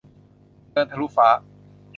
เดินทะลุฟ้า